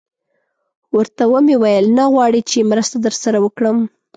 ورته ومې ویل: نه غواړئ چې مرسته در سره وکړم؟